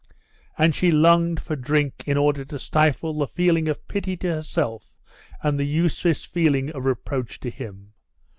And she longed for drink in order to stifle the feeling of pity to herself and the useless feeling of reproach to him.